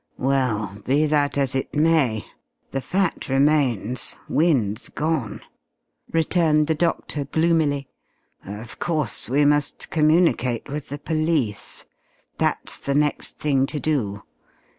"Well, be that as it may, the fact remains Wynne's gone," returned the doctor gloomily. "Of course we must communicate with the police. That's the next thing to do.